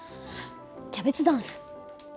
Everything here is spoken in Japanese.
キャベツダンス？